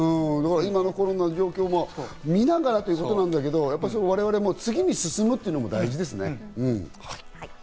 今のコロナの状況も見ながらということだけど、次に我々も進むということが大事ですね。